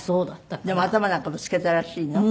でも頭なんかぶつけたらしいの？